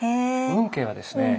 運慶はですね